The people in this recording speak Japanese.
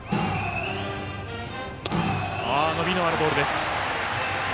伸びのあるボールでした。